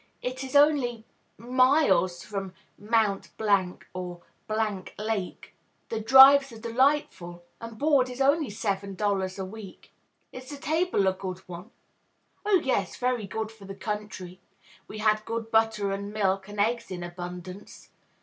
It is only miles from Mt. or Lake; the drives are delightful, and board is only $7 a week." "Is the table a good one?" "Oh, yes; very good for the country. We had good butter and milk, and eggs in abundance.